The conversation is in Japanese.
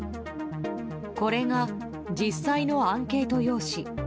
これが実際のアンケート用紙。